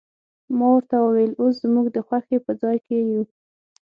ما ورته وویل، اوس زموږ د خوښۍ په ځای کې یو.